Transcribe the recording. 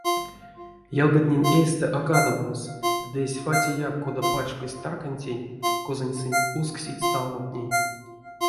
Ялгатнень эйстэ а кадовомс, ды эзь фатяяк, кода пачкодсь таркантень, козонь сынь усксить сталмотнень.